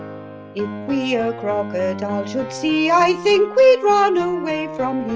If we a crocodile should see, I think we'd run away from he.